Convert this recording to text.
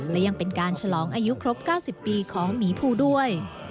และยังเป็นการฉลองอายุครบ๙๐ปีของหมีภูด้วย